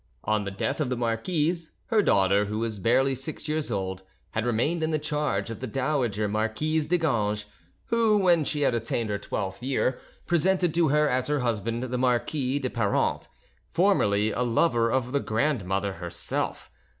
On the death of the marquise, her daughter, who was barely six years old, had remained in the charge of the dowager Marquise de Ganges, who, when she had attained her twelfth year, presented to her as her husband the Marquis de Perrant, formerly a lover of the grandmother herself.